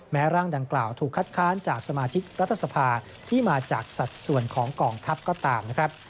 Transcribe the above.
ร่างดังกล่าวถูกคัดค้านจากสมาชิกรัฐสภาที่มาจากสัดส่วนของกองทัพก็ตามนะครับ